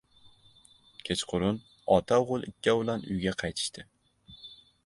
Kechqurun ota-o‘g‘il ikkovlon uyga qaytishdi.